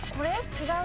違う？